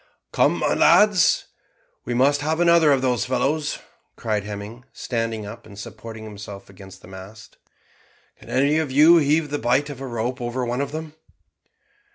"Come, my lads, we must have another of those fellows," cried Hemming, standing up, and supporting himself against the mast. "Can any of you heave the bight of a rope over one of them?"